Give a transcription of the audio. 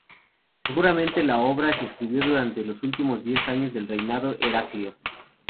Seguramente la obra se escribió durante los últimos diez años del reinado de Heraclio.